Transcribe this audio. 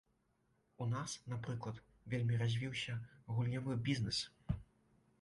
У нас, напрыклад, вельмі развіўся гульнявы бізнэс.